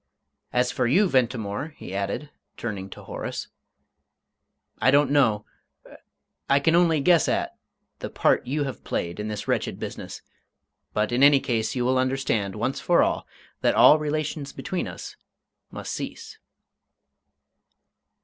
As for you, Ventimore," he added, turning to Horace, "I don't know I can only guess at the part you have played in this wretched business; but in any case you will understand, once for all, that all relations between us must cease."